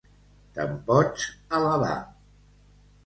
Te'n pots alabar.